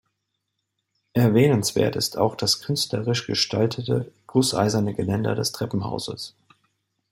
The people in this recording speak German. Erwähnenswert ist auch das künstlerisch gestaltete gusseiserne Geländer des Treppenhauses.